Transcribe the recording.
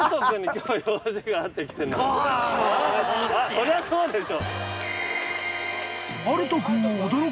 そりゃそうでしょ。